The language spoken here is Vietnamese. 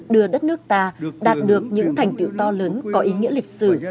đưa đất nước ta đạt được những thành tựu to lớn có ý nghĩa lịch sử